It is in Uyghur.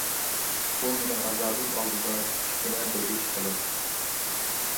ئۇ مېنىڭ ئازابىم ئالدىدا كىچىككىنە بىر ئىش، خالاس.